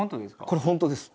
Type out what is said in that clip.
これ本当です。